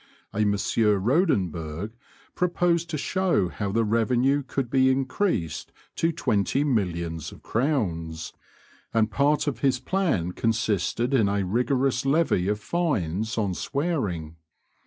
A Monsieur Rodenberg proposed to show how the revenue could be increased to twenty millions of crowns, and part of his plan consisted in a rigorous levy of fines on swearing.